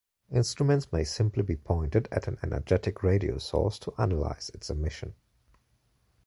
Instruments may simply be pointed at an energetic radio source to analyze its emission.